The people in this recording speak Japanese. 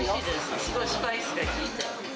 すごいスパイスが効いて。